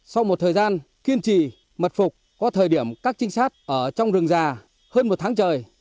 sau một thời gian kiên trì mật phục có thời điểm các trinh sát ở trong rừng già hơn một tháng trời